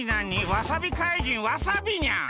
わさび怪人わさびにゃん。